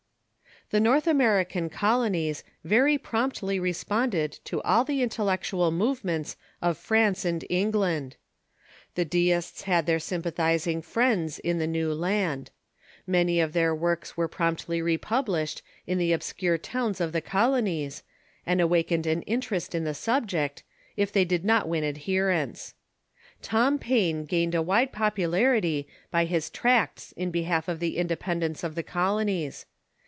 The North American colonies very promptly responded to all the intellectual movements of France and England. The Deists had their sympathizing friends in the new land. Many of their works were promptly republished in the obscure towns 310 THE MODERN CHURCH of the colonies, and awakened an interest in the subject, if they did not win adherents, Tom Paine gained a wide poi^ularity by his tracts in behalf of the indepen fl™!TiA" dence of the colonies.